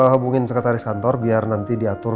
hubungin sekretaris kantor biar nanti diatur